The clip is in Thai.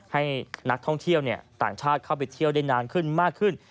ให้นักท่องเที่ยวต่างชาติเข้าไปเที่ยวได้นานขึ้นมากขึ้น